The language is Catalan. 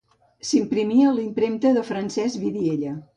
S'imprimia a la impremta de Francesc Vidiella.